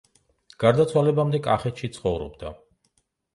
გარდაცვალებამდე კახეთში ცხოვრობდა.